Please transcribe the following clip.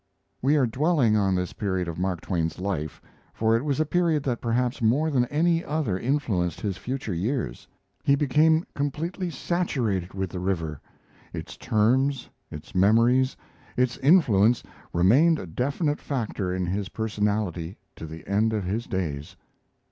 We are dwelling on this period of Mark Twain's life, for it was a period that perhaps more than any other influenced his future years. He became completely saturated with the river its terms, its memories, its influence remained a definite factor in his personality to the end of his days.